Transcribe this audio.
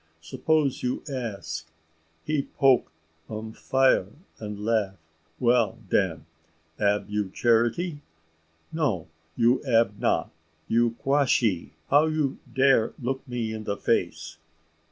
Suppose you ask, he poke um fire and laugh. Well, den, ab you charity? No, you ab not. You, Quashee, how you dare look me in the face?